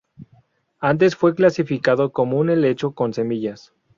Antes fue clasificado como un helecho con semillas.